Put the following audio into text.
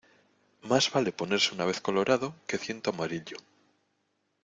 Más vale ponerse una vez colorado que ciento amarillo.